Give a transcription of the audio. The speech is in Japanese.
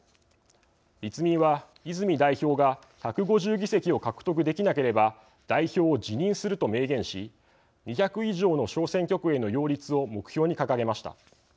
立民は泉代表が１５０議席を獲得できなければ代表を辞任すると明言し２００以上の小選挙区への擁立を目標に掲げました。